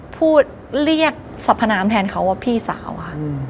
พูดเรียกสรรพนามแทนเขาว่าพี่สาวค่ะ